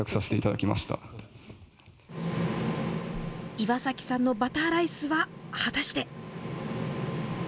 岩崎さんのバターライスは果たして。